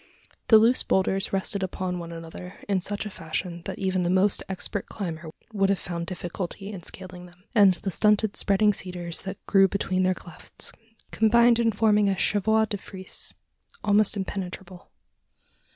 The loose boulders rested upon one another, in such fashion, that even the most expert climber would have found difficulty in scaling them; and the stunted spreading cedars that grew between their clefts, combined in forming a chevaux de frise almost impenetrable.